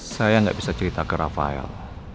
saya nggak bisa cerita ke rafael